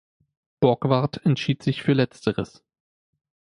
Borgward entschied sich für Letzteres.